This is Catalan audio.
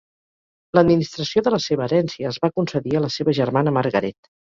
L'administració de la seva herència es va concedir a la seva germana Margaret.